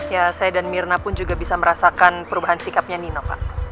ya saya dan mirna pun juga bisa merasakan perubahan sikapnya nino pak